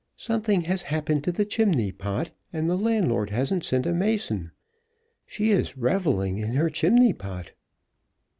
Something has happened to the chimney pot, and the landlord hasn't sent a mason. She is revelling in her chimney pot."